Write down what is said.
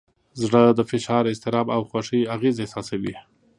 زړه د فشار، اضطراب، او خوښۍ اغېز احساسوي.